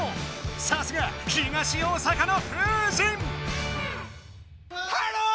さすが東大阪の風神！